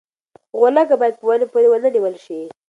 غولکه باید په ونې پورې ونه نیول شي.